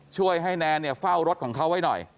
ช่วยให้แนนเนี่ยเฝ้ารถของเขาไว้หน่อย